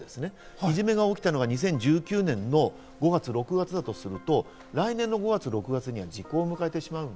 いじめが起きたのが２０１９年の５月、６月だとすると、来年の５月、６月には時効を迎えてしまう。